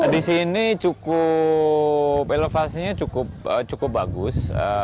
di sini cukup elevasinya cukup bagus